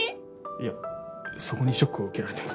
いやそこにショックを受けられても。